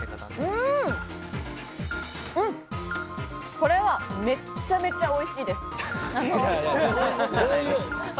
これは、めちゃめちゃおいしいです。